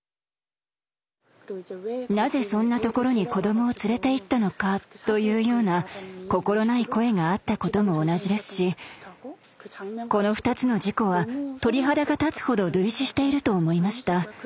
なぜそんなところに子どもを連れていったのかというような心ない声があったことも同じですしこの二つの事故は鳥肌が立つほど類似していると思いました。